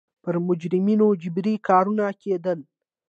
پر مجرمینو جبري کارونه کېدل.